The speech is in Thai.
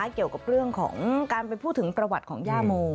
เกี่ยวกับเรื่องของการไปพูดถึงประวัติของย่าโม